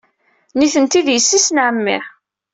Nitenti d yessi-s n ɛemmi.